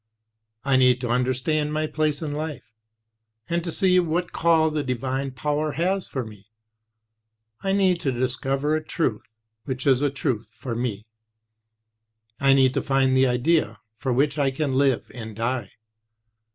I need to understand my place in life, and to see what call the divine power has for me; I need to discover a Truth which is a Truth for me; I need to find the idea for which I can live and die.